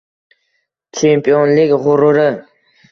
Chempionlik g‘ururi.